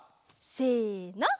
せの。